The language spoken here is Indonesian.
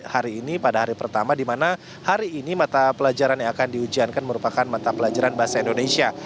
hari ini pada hari pertama di mana hari ini mata pelajaran yang akan diujiankan merupakan mata pelajaran bahasa indonesia